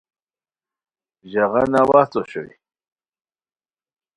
ژاغہ ناواہڅ اوشوئے